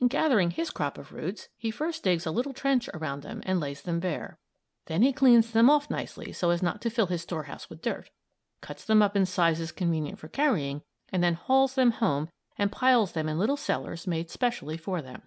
In gathering his crop of roots, he first digs a little trench around them and lays them bare. Then he cleans them off nicely so as not to fill his storehouse with dirt; cuts them up in sizes convenient for carrying, and then hauls them home and piles them up in little cellars made specially for them.